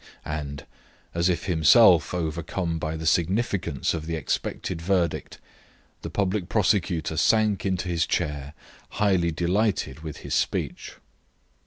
And as if himself overcome by the significance of the expected verdict, the public prosecutor sank into his chair, highly delighted with his speech.